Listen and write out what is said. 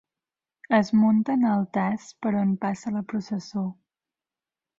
Es munten altars per on passa la processó.